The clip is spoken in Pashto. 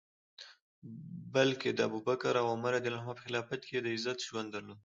بلکه د ابوبکر او عمر رض په خلافت کي یې د عزت ژوند درلود.